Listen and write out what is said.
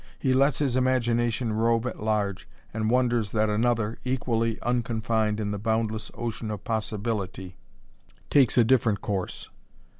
He lets his imagination rove at large, and wonders that another, equally unconfined in the boundless ocean of possibility, takes a different course.